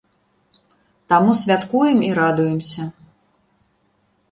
Таму святкуем і радуемся.